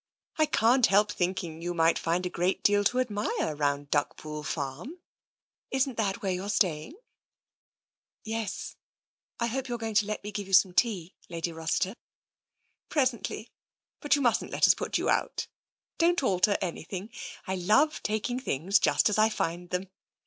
I can't help thinking you might find a great deal to admire round Duckpool Farm. Isn't that where you're staying? "Yes. I hope you're going to let me give you some tea, Lady Rossiter." " Presently, but you mustn't let us put you out. Don't alter anything — I love taking things just as I find them.